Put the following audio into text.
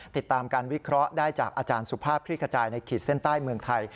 ติดตามการวิเคราะห์ได้จากอาจารย์สุภาพคลิกขจายในขีดเส้นใต้เมืองไทย